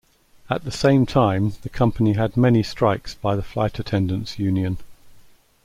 At the same time, the company had many strikes by the flight attendants' union.